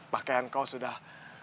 pakaian kau sudah